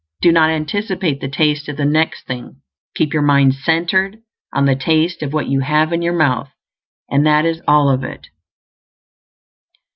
Do not anticipate the taste of the next thing; keep your mind centered on the taste of what you have in your mouth. And that is all of it.